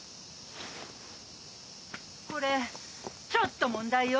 これちょっと問題よ。